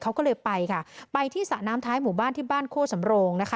เขาก็เลยไปค่ะไปที่สระน้ำท้ายหมู่บ้านที่บ้านโคสำโรงนะคะ